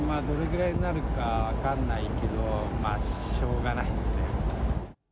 どれぐらいになるか分かんないけど、しょうがないですね。